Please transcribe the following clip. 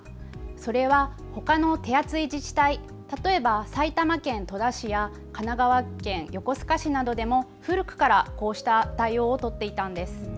それはほかの手厚い自治体、例えば埼玉県戸田市や神奈川県横須賀市などでも古くからこうした対応を取っていたんです。